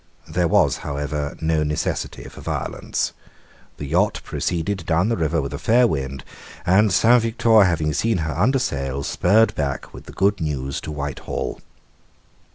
There was, however, no necessity for violence. The yacht proceeded down the river with a fair wind; and Saint Victor, having seen her under sail, spurred back with the good news to Whitehall.